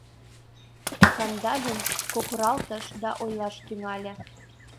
Кандалин кокыралтыш да ойлаш тӱҥале.